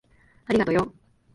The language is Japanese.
ありがとよ。